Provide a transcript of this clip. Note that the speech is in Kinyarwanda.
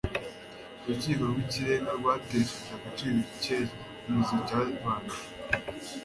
Urukiko rw'Ikirenga rwatesheje agaciro icyemezo cyabanje.